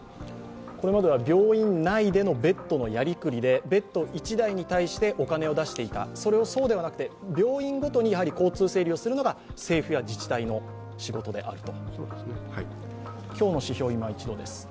これまでは病院内でのベッドのやりくりでベッド１台に対してお金を出していた、そうではなくて病院ごとに交通整理をするのが政府や自治体の仕事であると。